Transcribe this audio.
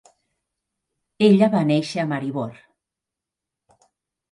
Ella va néixer a Maribor.